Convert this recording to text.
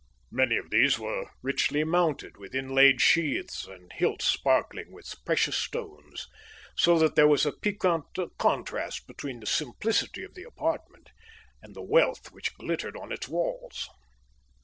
Many of these were richly mounted, with inlaid sheaths and hilts sparkling with precious stones, so that there was a piquant contrast between the simplicity of the apartment and the wealth which glittered on the walls.